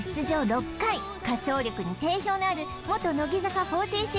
６回歌唱力に定評のある元乃木坂４６